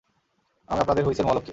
আমি আপনাদের হুঁইসেল মহালক্ষী।